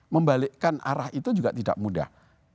membalikkan arah itu juga tidak mudah